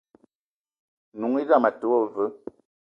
N'noung idame a te wo veu.